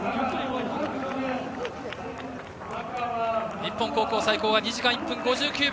日本高校最高が２時間１分５９秒。